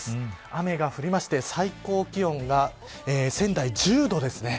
雨が降りまして、最高気温が仙台１０度です。